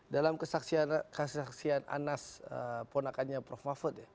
dalam kesaksian anas ponakannya prof mahfud ya